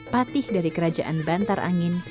patih dari kerajaan bantar angin